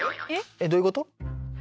えっどういうこと？